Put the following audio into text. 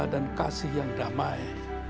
dan kasih yang damai